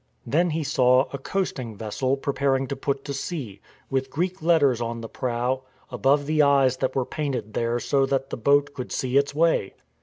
Then he saw a coasting vessel preparing to put to sea, with Greek letters on the prow, above the eyes that were painted there so that the boat could see its way!